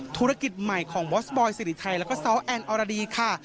ธุรกิจใหม่ของบอสบอยสิริไทยแล้วก็ซ้อแอนอรดีค่ะ